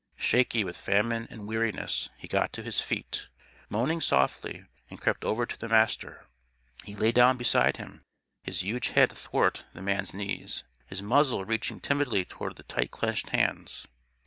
Shaky with famine and weariness, he got to his feet, moaning softly, and crept over to the Master; he lay down beside him, his huge head athwart the man's knees; his muzzle reaching timidly toward the tight clenched hands.